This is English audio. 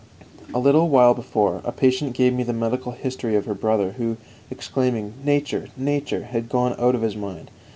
3. A little while before, a patient gave me the medical history of her brother, who, exclaiming "Nature, Nature!" had gone out of his mind.